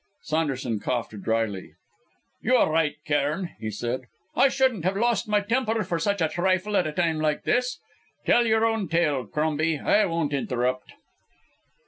Saunderson coughed dryly. "You are right, Cairn," he said. "I shouldn't have lost my temper for such a trifle, at a time like this. Tell your own tale, Crombie; I won't interrupt."